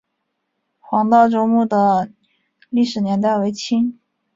黄道周墓的历史年代为清。